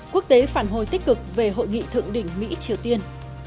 quốc tế phản hồi tích cực về hội nghị thượng đỉnh mỹ triều tiên